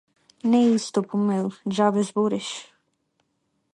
Не е исто по мејл, џабе збориш.